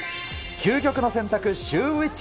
究極の選択、シューＷｈｉｃｈ。